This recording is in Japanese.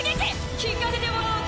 聞かせてもらおうか。